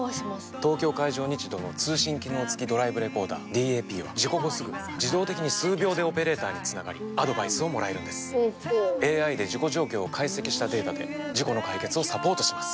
東京海上日動の通信機能付きドライブレコーダーＤＡＰは事故後すぐ自動的に数秒でオペレーターにつながりアドバイスをもらえるんですＡＩで事故状況を解析したデータで事故の解決をサポートします